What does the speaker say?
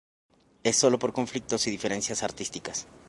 Es solo por conflictos y diferencias artísticas.